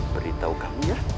beritahu kami ya